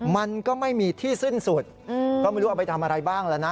มันก็ไม่มีที่สิ้นสุดก็ไม่รู้เอาไปทำอะไรบ้างแล้วนะ